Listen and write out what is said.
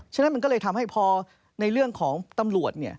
ฉะนั้นมันก็เลยทำให้พอในเรื่องของตำรวจ